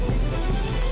aku buka nama india